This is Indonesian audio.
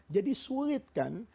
jadi sulit kan